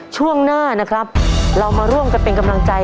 ช่วงหน้านะครับเรามาร่วมกันเป็นกำลังใจ